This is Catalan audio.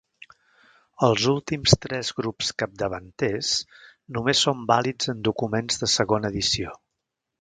Els últims tres grups capdavanters només són vàlids en documents de segona edició.